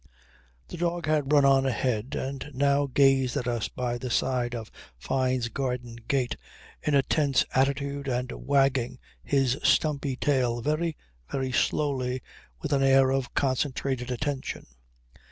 The dog had run on ahead and now gazed at us by the side of the Fyne's garden gate in a tense attitude and wagging his stumpy tail very, very slowly, with an air of concentrated attention.